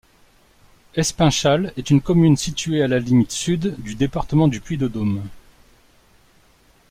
Espinchal est une commune située à la limite sud du département du Puy-de-Dôme.